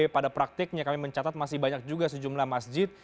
pada praktiknya kami mencatat masih banyak juga sejumlah masjid